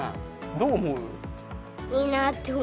どう思う？